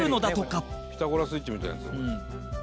伊達：『ピタゴラスイッチ』みたいなやつ？